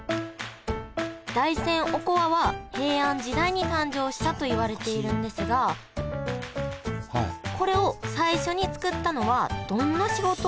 大山おこわは平安時代に誕生したといわれているんですがこれを最初に作ったのはどんな仕事をしていた方でしょうか？